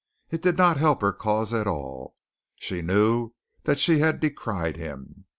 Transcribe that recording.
It did not help her cause at all. She knew that she had decried him.